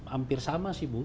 hampir sama sih bu